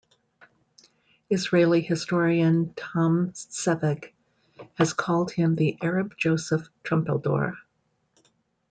Israeli historian Tom Segev has called him 'the Arab Joseph Trumpeldor'.